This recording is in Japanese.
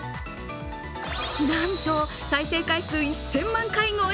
なんと再生回数１０００万回超え。